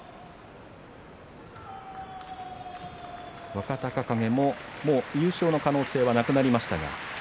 若隆景も優勝の可能性はなくなりました。